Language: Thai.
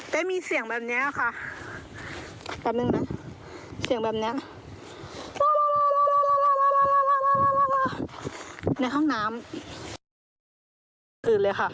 ได้มีเสียงแบบนี้ค่ะ